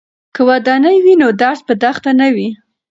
که ودانۍ وي نو درس په دښته نه وي.